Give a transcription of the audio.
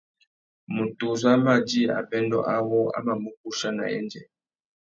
Mutu uzu a mà djï abêndô awô a mà mù guchia nà yendzê.